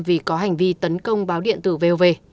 vì có hành vi tấn công báo điện tử vov